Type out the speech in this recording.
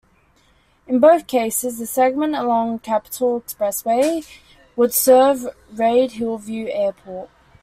In both cases, the segment along Capitol Expressway would serve Reid-Hillview Airport.